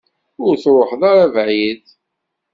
Ur truḥeḍ ara bɛid.